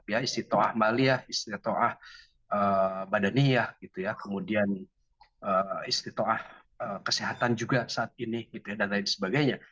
istiqa'ah maliyah istiqa'ah badaniyah kemudian istiqa'ah kesehatan juga saat ini dan lain sebagainya